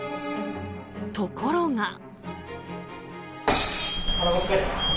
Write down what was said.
ところが。